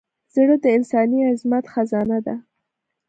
زړه د انساني عظمت خزانه ده.